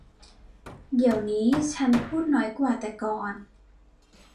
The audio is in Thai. เดี๋ยวนี้ฉันพูดน้อยกว่าแต่ก่อน